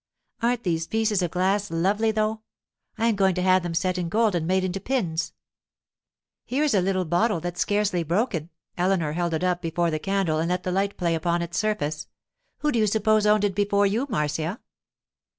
Aren't these pieces of glass lovely, though? I am going to have them set in gold and made into pins.' 'Here's a little bottle that's scarcely broken.' Eleanor held it up before the candle and let the light play upon its surface. 'Who do you suppose owned it before you, Marcia?